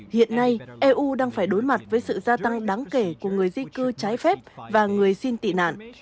hiện nay eu đang phải đối mặt với sự gia tăng đáng kể của người di cư trái phép và người xin tị nạn